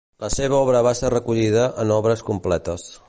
La seva obra va ser recollida en Obres completes.